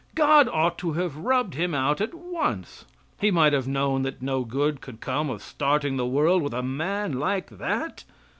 God ought to have rubbed him out at once. He might have known that no good could come of starting the world with a man like that.